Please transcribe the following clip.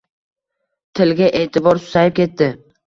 Tilga e’tibor susayib ketdi.